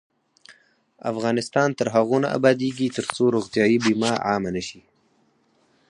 افغانستان تر هغو نه ابادیږي، ترڅو روغتیايي بیمه عامه نشي.